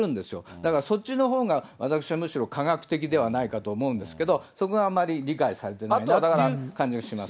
だから、そっちのほうが私はむしろ科学的ではないかと思うんですけど、そこがあまり理解されていないという感じがします。